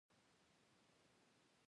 – ناروغه کېږې.